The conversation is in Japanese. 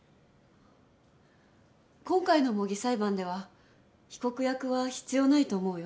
今回の模擬裁判では被告役は必要ないと思うよ。